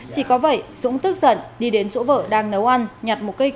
chỉ có vậy dũng tức giận đi đến chỗ vợ đang nấu ăn